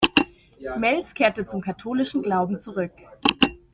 Mels kehrte zum katholischen Glauben zurück.